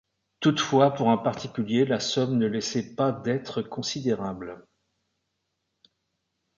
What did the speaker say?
Toutefois, pour un particulier, la somme ne laissait pas d’être considérable.